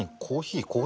コーヒー？